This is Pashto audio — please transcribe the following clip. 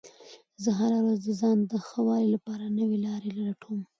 زه هره ورځ د ځان د ښه والي لپاره نوې لارې لټوم